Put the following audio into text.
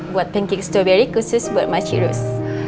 buat pancake strawberry khusus buat makcik ros